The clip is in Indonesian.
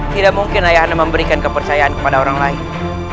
tidak mungkin ayahanda memberikan kepercayaan kepada orang lain